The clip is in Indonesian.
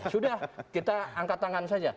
sudah kita angkat tangan saja